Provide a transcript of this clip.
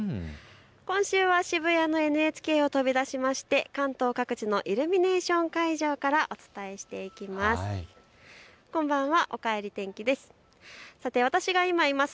今週は渋谷のＮＨＫを飛び出しまして関東各地のイルミネーション会場からお伝えしていきます。